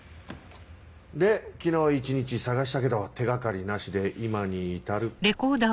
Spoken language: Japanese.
で昨日一日捜したけど手掛かりなしで今に至る。